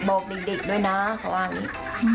บอกเด็กด้วยนะเขาว่าอย่างนี้